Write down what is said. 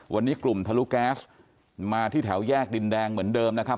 วันนี้กลุ่มทะลุแก๊สมาที่แถวแยกดินแดงเหมือนเดิมนะครับ